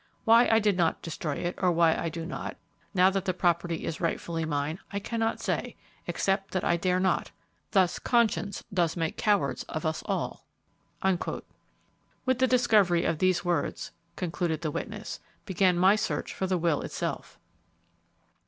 Why I did not destroy it, or why I do not, now that the property is rightfully mine, I cannot say, except that I dare not! "Thus conscience does make cowards of us all?"' "With the discovery of these words," concluded the witness, "began my search for the will itself."